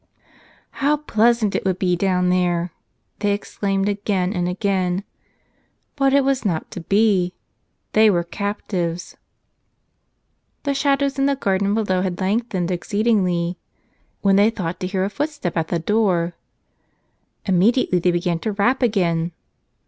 "How pleasant it would be down there !" they exclaimed again and again. But it was not to be. They were captives. The shadows in the garden below had lengthened exceedingly, when they thought to hear a footstep at the door. Immediately they began to rap again.